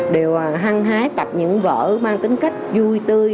đều hăng hái đặt những vở mang tính cách vui tươi